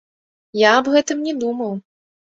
Я аб гэтым не думаў!